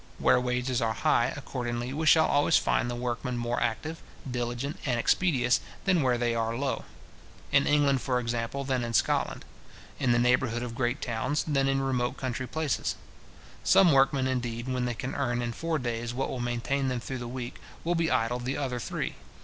Where wages are high, accordingly, we shall always find the workmen more active, diligent, and expeditious, than where they are low; in England, for example, than in Scotland; in the neighbourhood of great towns, than in remote country places. Some workmen, indeed, when they can earn in four days what will maintain them through the week, will be idle the other three.